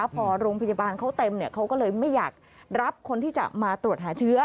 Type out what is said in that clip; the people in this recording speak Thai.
พอโรงพยาบาลเขาเต็มเขาก็เลยไม่อยากรับคนที่จะมาตรวจหาเชื้อ